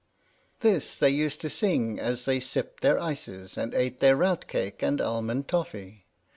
"PINAFORE" This they used to sing as they sipped their ices, and ate their rout cakes and almond toffee.